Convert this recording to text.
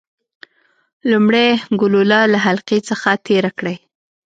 لومړی ګلوله له حلقې څخه تیره کړئ.